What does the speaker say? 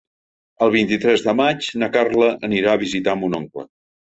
El vint-i-tres de maig na Carla anirà a visitar mon oncle.